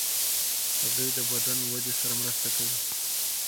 هګۍ د بدن ودې سره مرسته کوي.